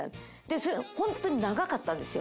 それが本当に長かったんですよ。